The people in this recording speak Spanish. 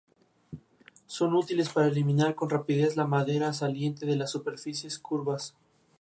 Con el equipo de San Sebastián ganó dos campeonatos regionales.